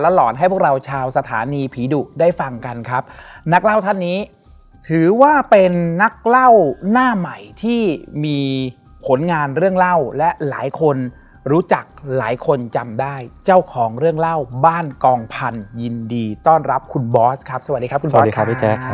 หลอนให้พวกเราชาวสถานีผีดุได้ฟังกันครับนักเล่าท่านนี้ถือว่าเป็นนักเล่าหน้าใหม่ที่มีผลงานเรื่องเล่าและหลายคนรู้จักหลายคนจำได้เจ้าของเรื่องเล่าบ้านกองพันยินดีต้อนรับคุณบอสครับสวัสดีครับคุณบอสครับพี่แจ๊คครับ